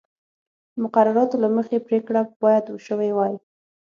مقرراتو له مخې پرېکړه باید شوې وای